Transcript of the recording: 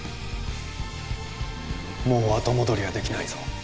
もう後戻りはできないぞ